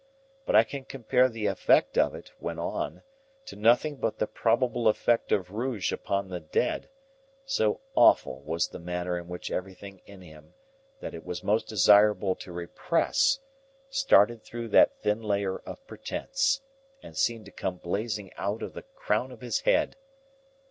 But I can compare the effect of it, when on, to nothing but the probable effect of rouge upon the dead; so awful was the manner in which everything in him that it was most desirable to repress, started through that thin layer of pretence, and seemed to come blazing out at the crown of his head.